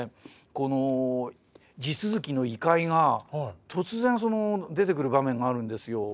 この地続きの異界が突然その出てくる場面があるんですよ。